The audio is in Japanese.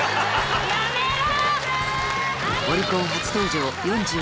やめろ！